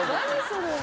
それ。